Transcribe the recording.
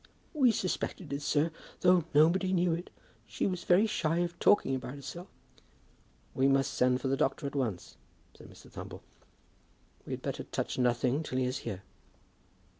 "We suspected it, sir, though nobody knew it. She was very shy of talking about herself." "We must send for the doctor at once," said Mr. Thumble. "We had better touch nothing till he is here."